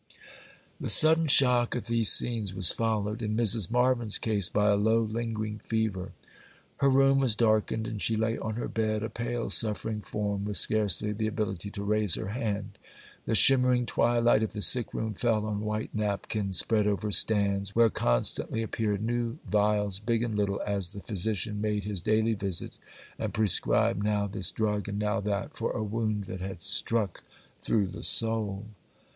The sudden shock of these scenes was followed, in Mrs. Marvyn's case, by a low, lingering fever. Her room was darkened, and she lay on her bed, a pale, suffering form, with scarcely the ability to raise her hand. The shimmering twilight of the sick room fell on white napkins, spread over stands, where constantly appeared new vials, big and little, as the physician made his daily visit, and prescribed now this drug and now that, for a wound that had struck through the soul.